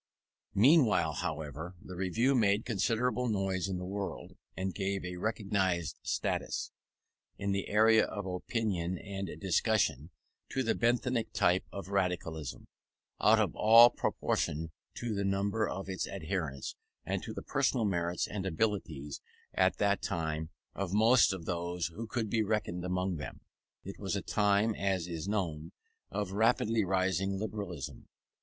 Meanwhile, however, the Review made considerable noise in the world, and gave a recognised status, in the arena of opinion and discussion, to the Benthamic type of Radicalism, out of all proportion to the number of its adherents, and to the personal merits and abilities, at that time, of most of those who could be reckoned among them. It was a time, as is known, of rapidly rising Liberalism.